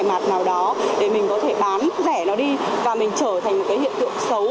mặt nào đó để mình có thể bán rẻ nó đi và mình trở thành một cái hiện tượng xấu